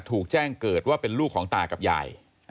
ถูกแจ้งเกิดว่าเป็นลูกของตากับยาย